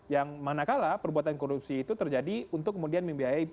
yang manakala perbuatan korupsi itu terjadi untuk kemudian membiayai